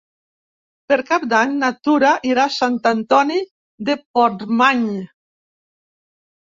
Per Cap d'Any na Tura irà a Sant Antoni de Portmany.